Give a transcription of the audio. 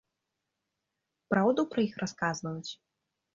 Праўду пра іх расказваюць?